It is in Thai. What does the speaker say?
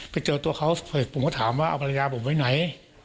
ไปเจอตัวเขาผมก็ถามว่าเอาภรรยาผมไว้ไหน